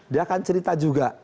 dia akan cerita juga